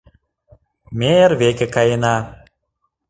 Ме эрвеке каена